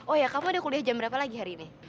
oh ya kamu ada kuliah jam berapa lagi hari ini